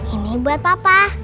ini buat papa